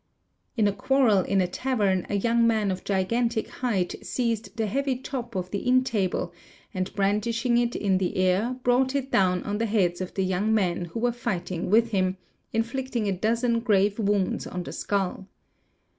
In a quarrel in a tavern a young man of gigantic height seized the heavy top of the inn table and brandishing it in the air brought it down on the heads of the young men who were fighting with him, inflicting a dozen grave wounds on the skull.